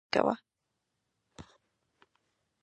احمد شاه بابا به د ولس ستونزو ته ژر جواب ورکاوه.